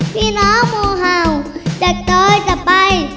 พี่น้องโมเห่าจากตอนต่อไป